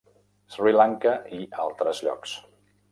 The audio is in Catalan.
Sri Lanka i "altres llocs".